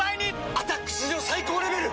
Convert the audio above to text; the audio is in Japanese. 「アタック」史上最高レベル！